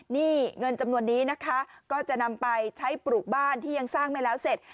นี่เงินจำนวนนี้นะคะก็จะนำไปใช้ปลูกบ้านที่ยังสร้างไม่แล้วเสร็จ